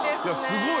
すごい。